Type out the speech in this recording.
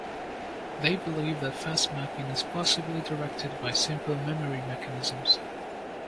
They believe that fast mapping is possibly directed by simple memory mechanisms.